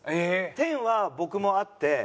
天は僕もあって。